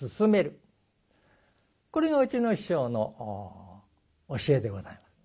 これがうちの師匠の教えでございます。